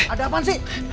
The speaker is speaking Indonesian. ada apaan sih